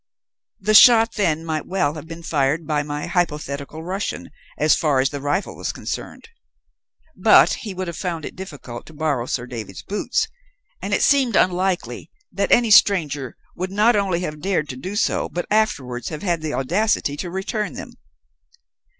"The shot, then, might well have been fired by my hypothetical Russian as far as the rifle was concerned; but he would have found it difficult to borrow Sir David's boots, and it seemed unlikely that any stranger would not only have dared to do so, but afterwards have had the audacity to return them.